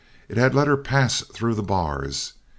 It had let her pass through the bars.